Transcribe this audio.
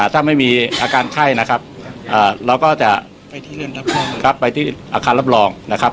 ถ้าไม่มีอาการไข้นะครับเราก็จะไปที่อาคารรับรองนะครับ